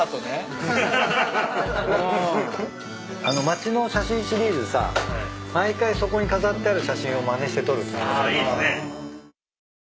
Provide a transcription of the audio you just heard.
あの町の写真シリーズさ毎回そこに飾ってある写真をまねして撮るっていうの。